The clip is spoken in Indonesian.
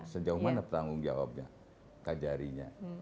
sejauh mana tanggung jawabnya kajarinya